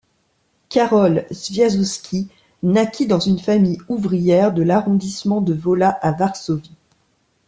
Karol Świerczewski naquit dans une famille ouvrière de l'arrondissement de Wola, à Varsovie.